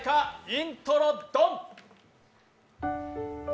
イントロ・ドン。